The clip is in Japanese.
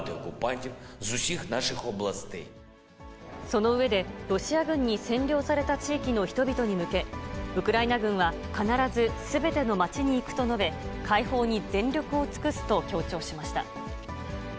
その上で、ロシア軍に占領された地域の人々に向け、ウクライナ軍は必ずすべての街に行くと述べ、解放に全力を尽くすと強調しました。